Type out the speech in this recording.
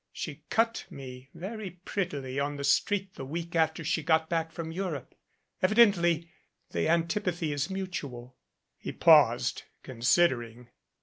She cut me very prettily on the street the week after she got back from Europe. Evidently the antipathy is mutual." He paused, considering.